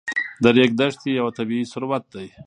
د ریګ دښتې یو طبعي ثروت دی.